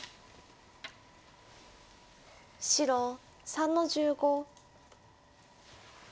白３の十五。